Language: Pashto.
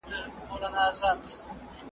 خپل ملي بیرغونه پورته کوي .